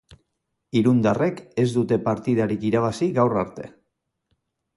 Irundarrek ez dute partidarik irabazi gaur arte.